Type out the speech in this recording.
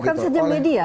bukan saja media